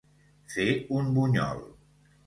Fer un bunyol.